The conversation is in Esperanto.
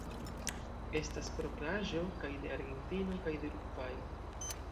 Estas propraĵo kaj de Argentino kaj de Urugvajo.